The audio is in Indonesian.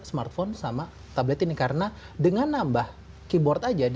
smartphone sama tablet ini karena dengan nambah keyboard aja